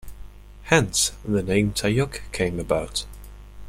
Hence, the name Tayug came about.